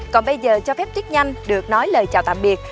còn bây giờ cho phép tuyết nhanh được nói lời chào tạm biệt